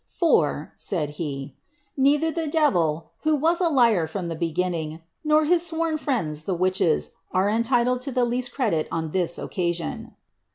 " For," sard he. nei tiier the devd, who wa.s a liar from the beginning, nor liis sworn fricijil^ the witches, are entitled lo ihe leasl credit on this occasion."